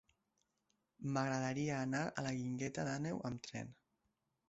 M'agradaria anar a la Guingueta d'Àneu amb tren.